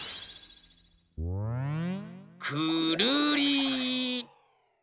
くるり！